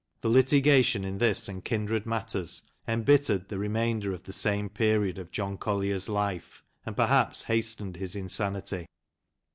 The litigation in this and kindred matters embittered the remainder of the sane period of John Collier's life, and perhaps hastened his insanity.